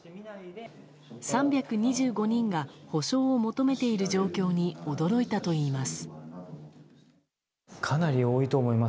３２５人が補償を求めている状況に驚いたといいます。